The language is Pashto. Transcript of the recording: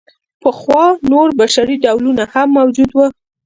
پخوا نور بشري ډولونه هم موجود وو.